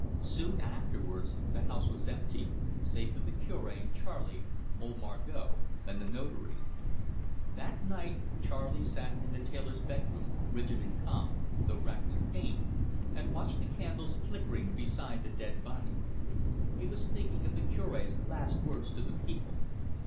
Soon afterwards the house was empty, save for the Cure, Charley, old Margot, and the Notary. That night Charley sat in the tailor's bedroom, rigid and calm, though racked with pain, and watched the candles flickering beside the dead body. He was thinking of the Cure's last words to the people.